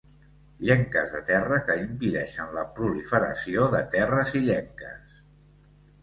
Llenques de terra que impedeixen la proliferació de terres illenques.